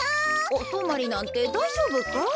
おとまりなんてだいじょうぶか？